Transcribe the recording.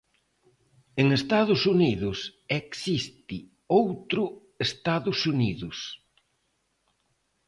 En Estados Unidos existe outro Estados Unidos.